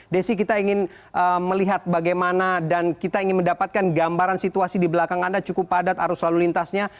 desi kita ingin melihat bagaimana dan kita ingin mendapatkan gambaran situasi di belakang anda cukup padat arus lalu lintasnya